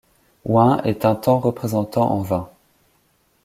Hoin est un temps représentant en vins.